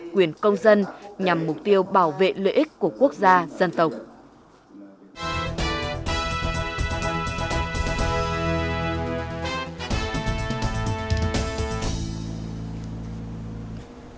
quyền công dân nhằm mục tiêu bảo vệ lợi ích của quốc gia dân tộc